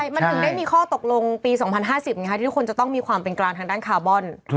มันถึงได้มีข้อตกลงปี๒๐๕๐ไงคะที่ทุกคนจะต้องมีความเป็นกลางทางด้านคาร์บอน